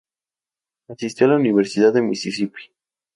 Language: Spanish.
Asistió a la Universidad de Misisipi.